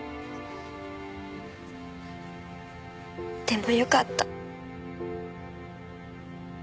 でもよかった。